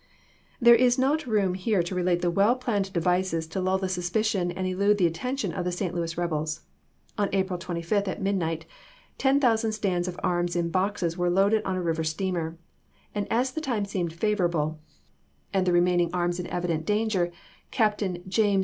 There is not room here to relate the well planned devices to lull the suspicion and elude the attention of the St. Louis 1861. rebels. On April 25, at midnight, 10,000 stands of arms in boxes were loaded on a river steamer ; and as the time seemed favorable, and the remaining THE OHIO LINE 199 arms were in evident danger, Captain James H.